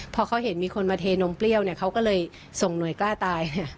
พอเขาเห็นมีคนมาเทนมเปรี้ยวเขาก็เลยส่งหน่วยกล้าตาย